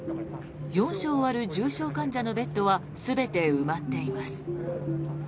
４床ある重症患者のベッドは全て埋まっています。